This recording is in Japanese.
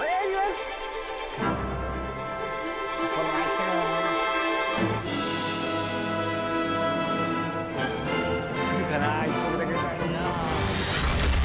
来るかな。